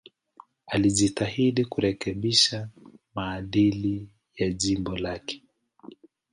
Alijitahidi kurekebisha maadili ya jimbo lake.